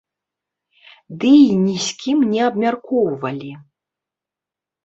Ды і ні з кім не абмяркоўвалі.